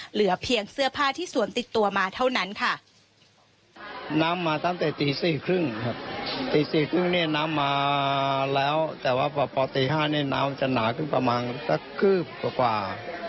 เหลือเพียงเสื้อผ้าที่สวมติดตัวมาเท่านั้นค่ะ